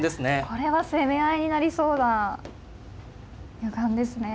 これは攻め合いになりそうな予感ですね。